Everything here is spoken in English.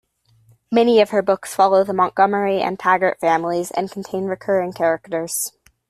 Many of her books follow the Montgomery and Taggert families and contain recurring characters.